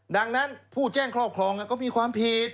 ดังนั้นผู้แจ้งครอบครองก็มีความผิด